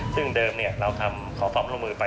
ซึ่งเดิมเนี่ยเราขอพร้อมร่วมมือไป